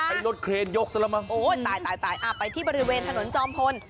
ไล่รถเคลนยกซะละมั้งโอ้โหตายไปที่บริเวณถนนจอมพล